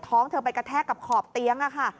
ท้องเธอไปกระแทกกับขอบเตียงค่ะ